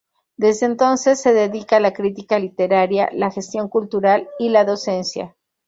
Desde entonces se dedica a la crítica literaria, la gestión cultural y la docencia.